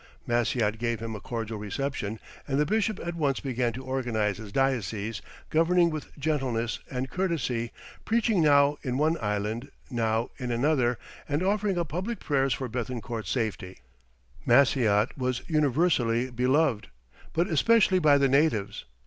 Maciot gave him a cordial reception, and the bishop at once began to organize his diocese, governing with gentleness and courtesy, preaching now in one island, now in another, and offering up public prayers for Béthencourt's safety. Maciot was universally beloved, but especially by the natives.